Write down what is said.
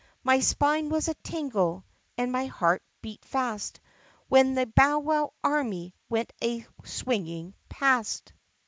My spine was a tingle and my heart beat fast When the bowwow army went a swinging past!